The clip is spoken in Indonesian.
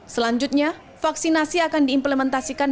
selanjutnya vaksinasi akan diimplementasikan